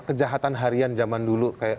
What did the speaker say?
kejahatan harian zaman dulu kayak